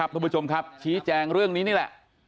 ทุกผู้ชมครับชี้แจงเรื่องนี้นี่แหละ